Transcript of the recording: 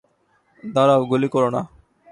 দাঁড়াও, গুলি করো না।